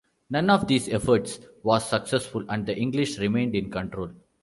None of these efforts was successful and the English remained in control.